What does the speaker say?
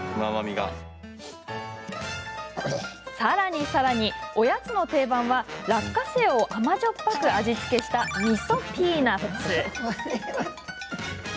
さらにさらに、おやつの定番は落花生を甘じょっぱく味付けしたみそピーナッツ。